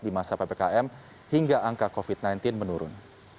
di masa ppkm hingga angka covid sembilan belas menurun